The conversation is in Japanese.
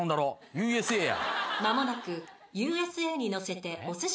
『Ｕ．Ｓ．Ａ．』や。